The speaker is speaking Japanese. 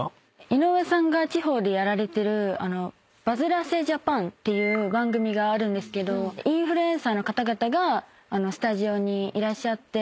井上さんが地方でやられてる『バズらせＪＡＰＡＮ』っていう番組があるんですけどインフルエンサーの方々がスタジオにいらっしゃって。